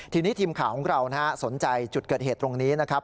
ทีนี้ทีมข่าวของเราสนใจจุดเกิดเหตุตรงนี้นะครับ